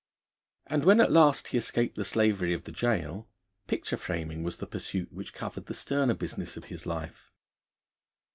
And when at last he escaped the slavery of the gaol, picture framing was the pursuit which covered the sterner business of his life.